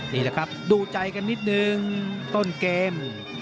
นี่แหละครับดูใจกันนิดนึงต้นเกม